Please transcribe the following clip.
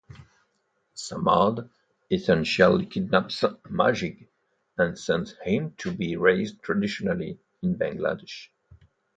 Samad essentially kidnaps Magid and sends him to be raised traditionally in Bangladesh.